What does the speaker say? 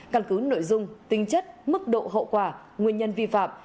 căn cứ nội dung tính chất mức độ hậu quả nguyên nhân vi phạm